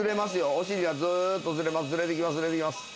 おしりがずっとずれてきますずれてきます